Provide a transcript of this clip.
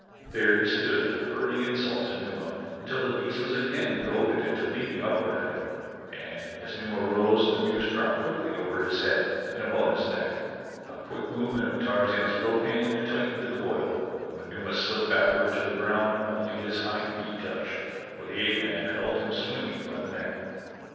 There he stood hurling insults at Numa until the beast was again goaded into leaping upward at him, and as Numa rose the noose dropped quickly over his head and about his neck. A quick movement of Tarzan's rope hand tightened the coil and when Numa slipped backward to the ground only his hind feet touched, for the ape man held him swinging by the neck.